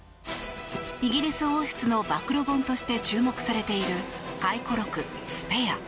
イギリス王室の暴露本として注目されている回顧録「スペア」。